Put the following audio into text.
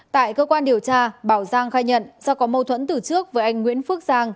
tại cơ quan điều tra bảo giang khai nhận do có mâu thuẫn từ trước với anh nguyễn phước sang